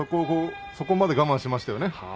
そこまで魁勝は我慢しましたね。